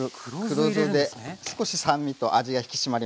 黒酢で少し酸味と味が引き締まります。